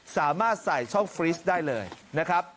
สามารถใส่ช่องฟรีสได้เลยนะครับ